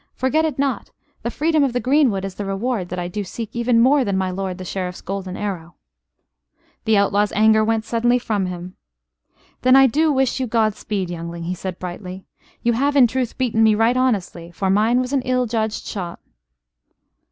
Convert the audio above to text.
"Forget it not the freedom of the greenwood is the reward that I do seek even more than my lord the Sheriff's golden arrow." The outlaw's anger went suddenly from him. "Then I do wish you God speed, youngling," he said, brightly. "You have in truth beaten me right honestly for mine was an ill judged shot."